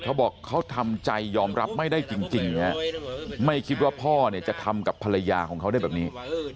เขาบอกเขาทำใจยอมรับไม่ได้จริงไม่คิดว่าพ่อเนี่ยจะทำกับภรรยาของเขาได้แบบนี้